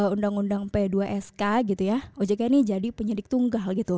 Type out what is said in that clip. undang undang p dua sk gitu ya ojk ini jadi penyidik tunggal gitu